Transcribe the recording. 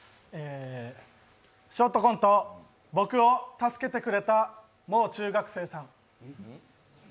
ショートコント、僕を助けてくれたもう中学生さん。